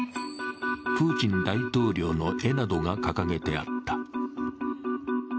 プーチン大統領の絵などが掲げてあった。